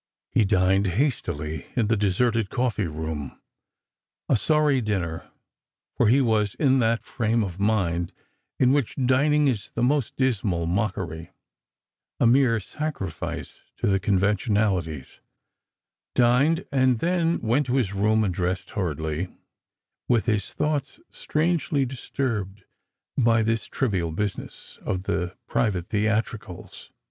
He dined hastily in the deserted coffee room — a sorry dinner, for he was in that frame of mind in which dining is the most dismal mockery — a mere sacrifice to the conventionalities — dined, and then went to his room and dressed hurriedly, with his thoughts strangely disturbed by this trivial business of the private theatricals.